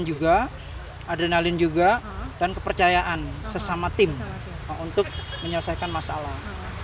dan juga adrenalin dan kepercayaan sesama tim untuk menyelesaikan masalah